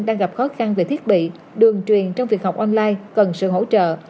đang gặp khó khăn về thiết bị đường truyền trong việc học online cần sự hỗ trợ